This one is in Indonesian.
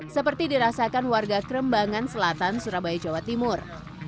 seperti dirasakan warga kerembangan selatan surabaya jawa timur